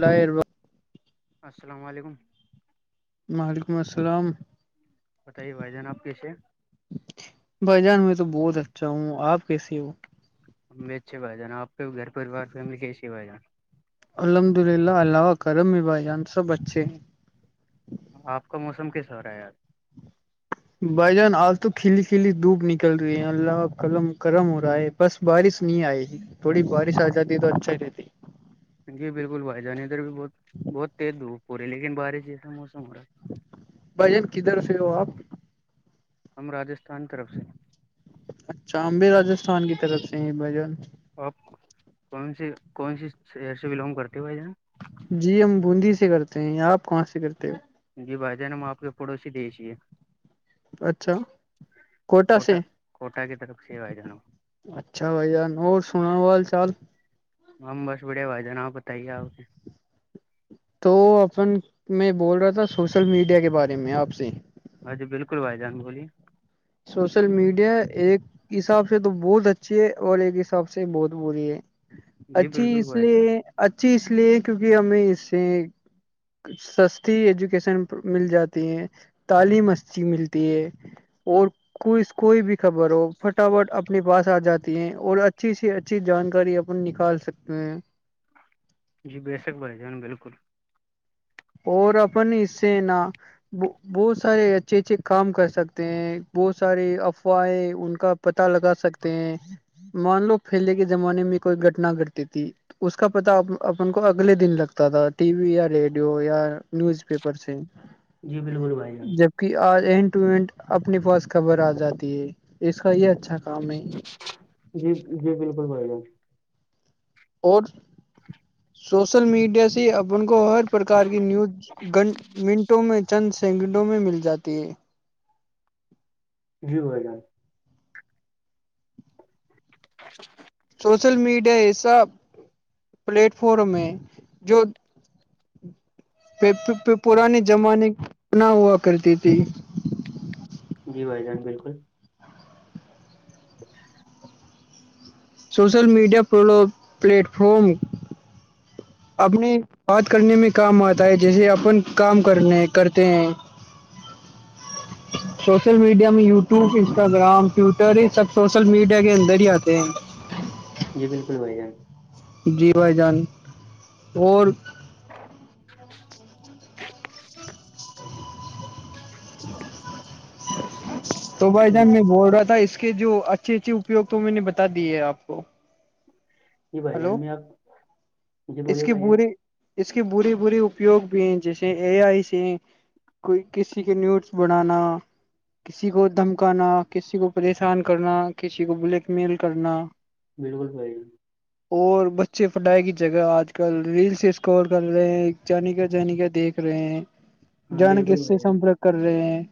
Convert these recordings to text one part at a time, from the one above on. لرو السلام علیکم وعلیکم السلام بتائیے بھائی جان آپ کیسے بھائی جان میں تو بہت اچھا ہوں آپ کیسے ہو ہم اچھے بھ جانا آپ کے گھر پریوار فیملی کی اچے ہی بھ جانا الحمد للہ عوہ کرم بائی جان سے اچھے ہیں آپ کا موسم کیسا ہو رہا ہے یار بھائی جان آج تو کھلی کلی دوپ نکل رہی ہے اللہ کا قلم کرم ہو رہا ہے بس بارش نہیں آئے تھوڑی بارش آ جاتی تو اچھا ہی رہتی جی بالکل بھائی جان ادھر بھی بہت بہت تیز دھوپ ہو رہی لیکن بارش جیسا موسم ہو رہا ہے بھائین کدھر سے ہو آپ ہم راستھان طرف سے اچھا امب راستھان کی طرف سے ہی بھائیجان آپ کون س کون سی شہر سے بلانگ کرتے ہو بھائی جان جی ہم بوندی سے کرتے ہیں آپ کہاں سے کرتے ہو جی بھائی جان ہم آپ کے پڑوسی دجے اچھا کوٹا کوٹا کی طرف سے آائی جان اچھا بھائی جان اور سناو بال چال ہم بس بڑے بھائی جان آپ بتائیے آپ کے تو اپن میں بول رہا تھا سوشل میڈیا کے بارے میں آپ سے ہاں جی بالکل بھائی جان بولی سوشل میڈیا ایک حساب سے تو بہت اچھا اچھی ہے اور ایک حساب سے بہت بری ہے جی اچھی بالکل اس بھائی جان لیے اچھی اس لیے کیونکہ ہمیں اس سے سستی ایجوکیشن مل جاتی ہے تعلیم اچھی ملتی ہے اور ک کوئی بھی خبر ہو فٹافٹ اپنے پاس آ جاتی ہے اور اچھی سی ا اچھی جانکاری اپن نکال سکتے ہیں جی بے شک بھائی جان بالکل اور اپن اسے نا بہت سارے اچھے اچھے کام کر سکتے ہیں بہت سارے افواہیں ان کا پتا لگا سکتے ہیں مان لو پہلے کے زمانے میں کوئی گٹنا گھٹتی تھی اس کا پتا اپن کو اگلے دن لگتا تھا ٹی وی یا ریڈیو یا نیوز پیپر سے جی بالکل بھائی جان کہ آج اینڈ ٹو اینٹ اپنے پاس خبر آ جاتی ہے اس کا یہ اچھا کام ہے جی جی بالکل بھائی جان [unintelligible] اور سوشل میڈیا سے ن کو ہر پرک کی نیوز گ منٹوں میں چند سینگڈوں میں مل جاتی ہے جیو ہ جار اچا [unintelligible] سوشل میڈیا ایسا پلیٹفارم ہے جو پ پھر پرانے زمانے نہ ہوا کرتی تھی [unintelligible] جی بھائی جان بالکل [inaudible] سوشل میڈیاو پلیٹفم اپنی بات کرنے میں کام آتا ہے جیسے اپن کام کرنے کرتے ہیں [unintelligible] سوشل میڈیا میں یوٹیوب انسٹاگرام ٹویٹر یہ سب سوشل میڈیا کے اندر ہی آتے ہیں جی بالکل بائی جان جی بھائی جان اور تو بھائی جی جان میں بول رہا تھا اس کے جو اچ [unintelligible] اچھے اچھے اپپوگ تو میں نے بتا دییا ہے آپ کو جی بھائی ہلو جان میں آپ جی اس بولیے کے بھائی جان بورے اس کی بری بری اپیوگ بھی ہیں جیسے اے آئی سے کوئی کسی کے نیوٹس بڑھانا کسی کو دھمکانا کسی کو پریشان کرنا کسی کو بلیک میل کرنا بالکل بھائیی اور بچے پٹائی کی جگہ آج کل ریلس اسکور کر رہے ہیں جان کا جانے کا دیکھ رہے ہیں ہاں جان بالکل کس سے بھائی جان سمپرک کر رہے ہیں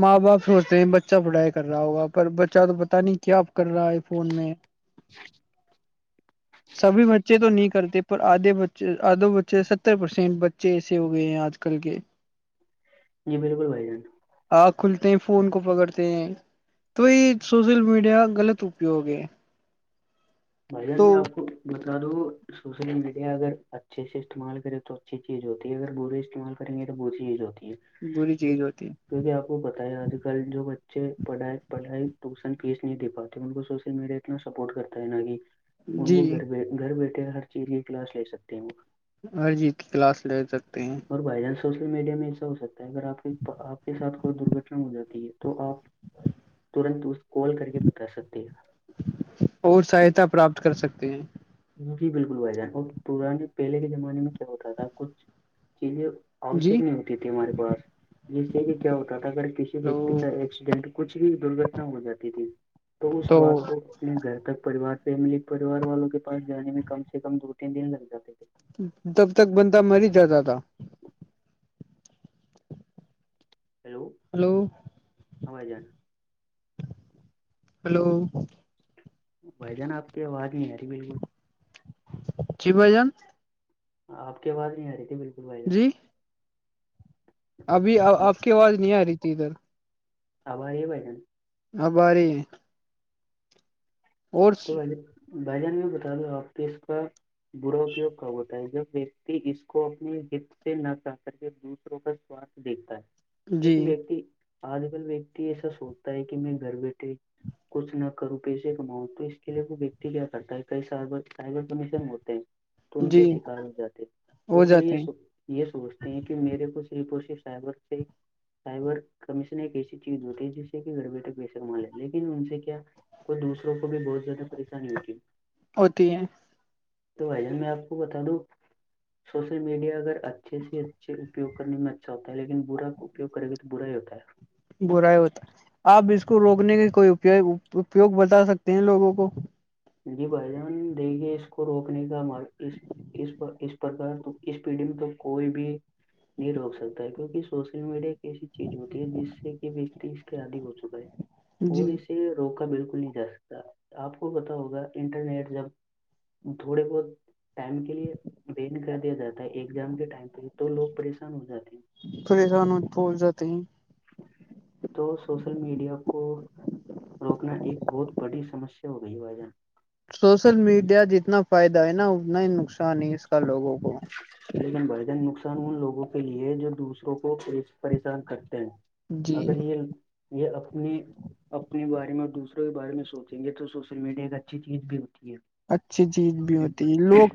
ماں باپ سوچتے ہیں بچہ پڑھائی کر رہا ہوگا پر بچہ تو پتا نہیں کیا کر رہا ہے فون میں [inaudible] سبھی بچے تو نہیں کرتے پر آدھے بچے آدھو بچے ستر پرسینٹ بچے ایسے ہو گئے ہیں آج کل کے [unintelligible] جی بالکل بھائیان ہاں کھلتے ہیں فون کو پکڑتے ہیں تو یہ سوشل میڈیا غلط اپیوگ ہے بھان تو میں آپ کو دد سوشل میڈیا اگر اچھے سے استعمال کرے تو اچھی چیز ہوتی ہے اگر برے استعمال پ یہ بہ سی اییز ہوتی ہے بری چیز ہوتی ہے کیوںکہ آپ کو پت ہے آج کل جو بچے پڑھائی پڑھائی ٹیوشن فیس نہیں دے پاتے ان کو سوشل میڈیا اتنا سپورٹ کرتا ہے نہ کہ ہے ان جی کو گھر بی گھر بیٹھے ہر چیز کی کلاس لے سکتے ہیں وہ ہر جیت کلاس لے سکتے ہیں اور بائی چانس سوشل میڈیا میں ایسا ہو سکتا ہے اگر آپ کے آپ کے ساتھ کوئی درگٹنا ہو جاتی ہے تو آپ ترنت اس کال کر کے بتا سکتے ہیں اور سہیتا پراپت کر سکتے ہیں جی بالکل بھائی جان اور پرانے پہلے کے زمانے میں کیا ہوتا تھا کچھ [unintelligible] جی آوشک نہیں ہوتی تھی ہمارے پا جسے کہ کیا ہوتا تھا اگر کسی ویکتی ہلو کا ایکسیڈینٹ کچھ بھی درگھٹنا ہو جاتی تھی تو اس بات کو اپنے گھر تک پریوار فیملی پریوار والوں کے پاس جانے میں کم سے کم دو تین دن لگ جاتے تھے تب تک بند مر جاتا تھا ہیلو ہلو ہاں جا ہلو بھ جان آپ کی آواز نہیں ی بالکل چی بھ جان آپ کے پااز نہیں آ رہ تھی بالکل بھائی جان جی ابھی آپ کی آواز نہیں آ رہی تھی ادھر ابا یہ بھ جین آ باری تو بھ بھائی جان بھی بتا دو آپ کے اس کا براپیوگ کا ہوتا ہے جب ویکتی اس کو اپنے ہت سے نہ چاہ کر کے دوسروں کا سوارھ دیکتا ہے جی کیکہ وتی آج کل ویکتی ایسا سوچتا ہے کہ میں گھر بیٹھے کچھ نہ کروں پیسے کماں تو اس کے لیے وہ ویکتی کیا کرتا ہے کئی سائ سائبر کمیشن ہوتے ہیں تو ان جی کے شکار ہو جاتے ہو اور جو یہ جاتے ہیں س یہ سوچتے ہیں کہ میرے کو سری پ ش سگر سے سائبر کمیشن ایک ایسی چیز دوتی ہے جس سے کہ گھر بیٹھے پیسے کما لے لیکن ان سے کیا کو دوسروں کو بھی بہت زیادہ پریشانی ہوتی ہوتی ہیں تو بھائی جان میں آپ کو بتا دوں سوشل میڈیا اگر اچھے سے اچھے اپیوگ کرنے میں اچھا ہوتا ہے لیکن برا اپیوگ کرے گی تو برا ہی ہوتا ہے بر ہوتا آپ اس کو روکنے کا کوئی اپیوگ بتا سکتے ہیں لوگوں کو جی بھائی جان دیکھیے اس کو روکنے کا م اس پر اس پرک تو اس پیڑھی میں تو کوئی بھی نہیں روک سکتا ہے کیونکہ سوشل میڈیا ایک ایسی چیز ہوتی ہے جس سے کہ اس کے عدھی ہو چکا ہے اور جی اسے روکا بالکل نہیں جا سکتا آپ کو پتا ہوگا انٹرنیٹ جب تھڑے بہت ٹائم کے لیے وین کر دیا جاتا ہے ایگزام کے ٹائم پہ لیے تو لوگ پریشان ہو جاتے ہیں پریسان بھول جاتتے ہیں تو سوشل میڈیا کو روکنا ایک بہت بڑی سمسیا ہو گئی وجہاں سوشل میڈیا جتنا فائدہ ہے نا اتنا ہی نقصان ہی اس کا لوگوں کو لیکن بڑجن نقصان ان لوگوں کے لیے جو دوسروں کو پریشان کرتے ہیں جی اگر یہ یہ اپنی اپنے بارے میں اور دوسروں کے بارے میں سوچیں گے تو سوشل میڈیا ایک اچھی چیز بھی ہوتی ہے اچھی چیز بھی ہوتی ہے لوگ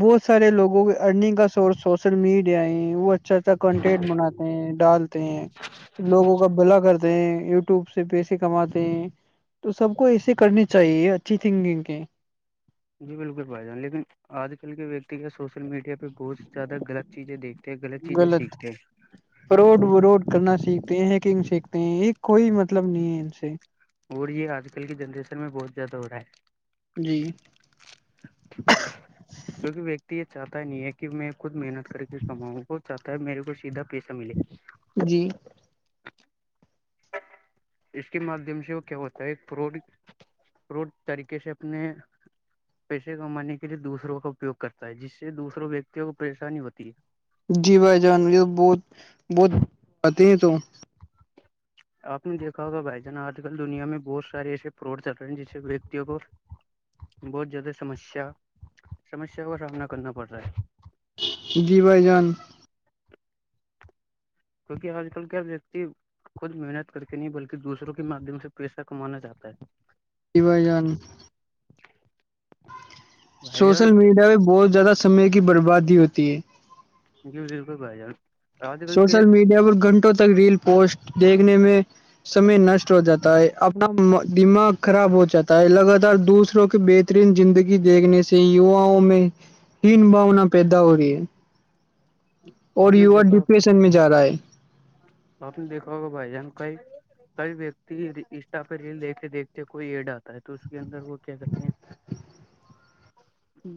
بہت سارے لوگوں کے ارننگ کا سورس سوشل میڈیا ہے وہ اچ کنٹینٹ م ڈال ہیں لوگوں کا بھلا کرتے ہیں یوٹیوب سے پیسے کماتے ہیں تو سب کو ایسے کرنی چاہیے اچھی تھنکنگ کے جی بالکل بھائی جان لیکن آج کل کے ویکتی سوشل میڈیا پہ بہت زیادہ غلط چیزیں دیکھتے ہیں لط چیزیں سیکھتے ہیں پروڈ ووڈ کرنا سیکھتے ہیں ہیکنگ سیکھتے ہیں یہ کوئی مطلب نہیں ہے ان سے اور یہ آج کل کی جنریشن میں بہت زیادہ ہو رہا ہے جی کیونکہ ویکتی یہ چاہتا نہیں ہے کہ میں خود محنت کر کے کماؤں وہ چاہتا ہے میرے کو سیدھا پیسا ملے جی اس کے مادھیم سے وہ کیا ہوتا ہے فوٹ فوٹ طریقے سے اپنے پیسے کمانے کے لیے دوسروں کا اپیوگ کرتا ہے جس سے دوسروں ویککتیوں کو پریشانی ہوتی ہے جی بھائی جان بہت بہت آ ہیں تو [inaudible] آپ نے دیکھا ہوگا بھائی جان آج کل دنیا میں بہت سے ایسےوڑ چل رہے ہیں جسے وتیوں کو بہت زیادہ سمسیا سمسیا کا سامنا کرنا پڑ رہا ہے دی بائی جان کیونکہ آج کل کیا ویکتی خود محنت کر کے نہیں بلکہ دوسروں کے مادھیم سے پیسہ کمانا چاہتا ہے کی جن [inaudible] جان سوشل میڈیا جی پ بہت زیادہ سمے کی بربادی ہوتی ہے جی بالکل بھائیار سوشل میڈیا پر گھنٹوں تک ریل پوسٹ دیکھنے میں سمے نشٹ ہو جاتا ہے اپنا دماغ خراب ہو جاتا ہے لگاتار دوسروں کے بیت ترین زندگی دیکھنے سے یواؤں میں ہیین بھونا پیدا ہو رہی ہے اور آپ نے یوا دیکھا ڈپریشن میں جا رہا ہے آپ نے دیکھا ہوگا بھائی جان کائی کئی ویکتی انسٹا پہ ریل دیکھتے دیکھتے کوئی ایڈ آتا ہے تو اس کے اندر وہ کیا کرتے ہیں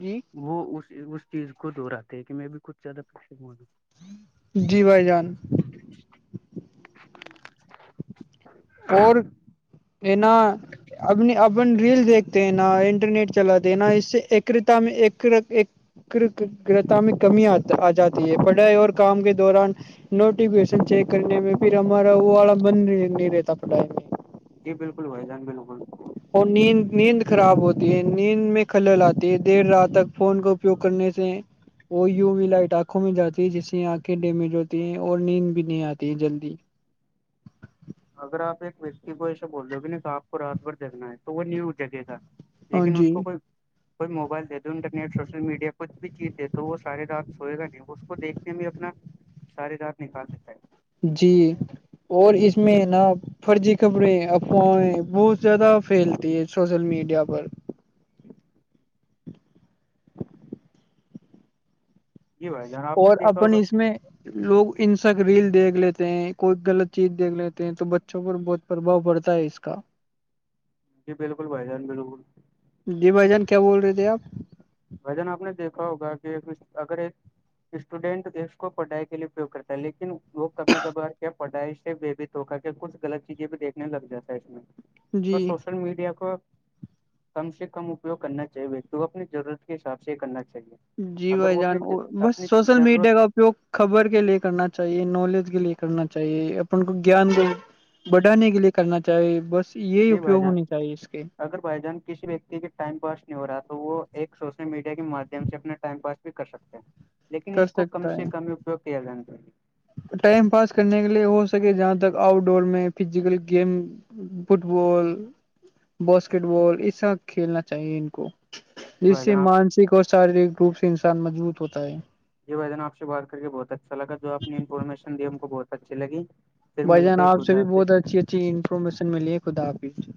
جی وہ اس اس چیز کو دہرے ہے کہ میں بھی کچھ زیادہ پش مولوں جی بھائی جان اور کہ نا اب نے اپن ریل دیکھتے ہیں نا انٹرنیٹ چلاتے ہیں نا اس سے ایکرتا میں ایک تا میں کمی آ جاتی ہے پڑھائی اور کام کے دوران نوٹیفکیشن چیک کرنے میں پھر ہمارا وہ والا بند نہیں رہتا پھائی میں جی بالکل بھائی جان بالکل اور نیند نیند خراب ہوتی ہے نیند میں خلل آتی ہے دیر رات تک فون کا اپیوگ کرنے سے وہ یوی لائٹ آنکھوں میں جاتی ہے جس سے آنکھیں ڈیمیج ہوتی ہیں اور نیند بھی نہیں آتی ہے جلدی اگر آپ ایک ویکتی کو ایسے بول رہو گے نا کہ آپ کو رات بھر جگنا ہے تو وہ نیو جگہ گ ہاں لیکن اس جی کو کوئی کوئی موبائل دے تو انٹرنیٹ سوشل میڈیا کچھ بھی چیز دے تو وہ سارے رات سوئے گا نہیں اس کو دیکھنے بھی اپنا شاری رار نکال دیتا ہے جی اور اس میں نا فرجی خبریں افواہیں بہت زیادہ پھیلتی ہے سوشل میڈیا پر [inaudible] جی بھائی جان آپ نے اور دیکھا اپن ہوگا اس میں لوگ ان سک ریل دیکھ لیتے ہیں کوئی غلط چیز دیکھ لیتے ہیں تو بچوں پر بہت پرباؤ پڑتا ہے اس کا جی بالکل بھائی جان بالکل جی بھ جان کیا بول رہے تھے آپ وجن آپ نے دیکھا ہوگا کہ اگر ایک اسٹوڈینٹ اس کو پڑھائی کے لیے پریوگ کرتا ہے لیکن وہ کبھی کبھیار کے پڑھائی سے بیبی تو کر کے کچھ غط چیزیں بھی دیکھنے لگ جاتا ہے اس میں تو جی سوشل میڈیا کو کم سے کم اپیوگ کرنا چاہیےتی کو اپنی ضرورت کے حساب سے یہ کرنا چاہیے جی اگر بھائی وہ اپنی جان بس اپنی سوشل ضرورت میڈیا کا خبر کے لیے کرنا چاہیے نالج کے لیے کرنا چاہیے اپن کو جان کے بڑھانے کے لیے کرنا چاہیے بس یہی نہیں بھائی اپیوگ جان ہونی چاہیے اس کے اگر بائی جانس کسی ویکتی کے ٹائم پاس نہیں ہو رہا تو وہ ایک سوشل میڈیا کے مادھیم سے اپنا ٹائم پاس کر سکتے ہیں لیکن کر اس کو کم سکتا ہے سے کم ہی اپیوگ کیا جانا چاہیے ٹائم پاس کرنے کے لیے ہو سکے جہاں تک آؤٹ ڈور میں physical game football basketball یہ سب کھیلنا چاہیے ان کو جی ج بھائی سے جان آپ مانسک اور شارییرک روپ سے انسان مضبوط ہوتا ہے جی ویدین آپ سے بات کر کے بہت اچھا لا جو آپ نے انفارمیشن دییا ان کو بہت اچھی لگی پھر بھ جان آپ سے بھی میں بہت اچھی اچھی انفارمیشن ملی ہے خدا حافظ